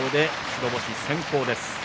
白星先行です。